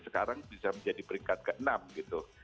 sekarang bisa menjadi peringkat ke enam gitu